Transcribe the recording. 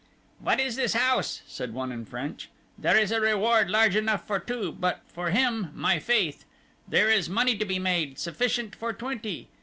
"What is the use?" said one in French. "There is a reward large enough for two but for him my faith! there is money to be made, sufficient for twenty.